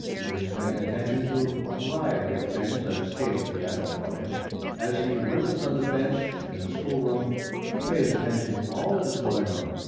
He is paying attention to a variety of things that escape the adult mind. As he wriggles on the bench in the school room, he pays attention to all that is going on.